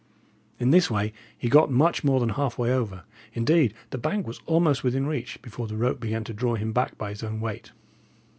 In this way he got much more than halfway over; indeed the bank was almost within reach, before the rope began to draw him back by its own weight.